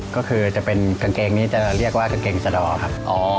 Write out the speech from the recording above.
ก็คือจะเป็นกางเกงนี้จะเรียกว่ากางเกงสะดอกครับ